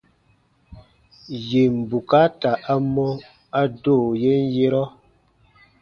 Yèn bukaata a mɔ, a do yen yerɔ.